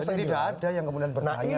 jadi tidak ada yang kemudian bertanya